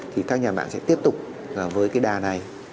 thì các nhà mạng sẽ tiếp tục với cái đà này